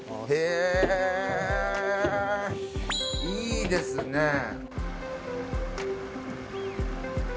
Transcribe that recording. へぇいいですね。